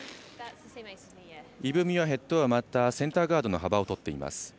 イブ・ミュアヘッドはまたセンターガードの幅を取っています。